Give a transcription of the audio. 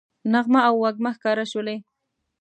نغمه او وږمه ښکاره شولې